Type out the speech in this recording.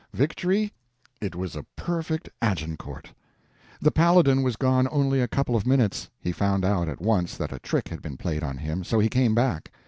Victory? It was a perfect Agincourt. The Paladin was gone only a couple of minutes; he found out at once that a trick had been played on him, so he came back.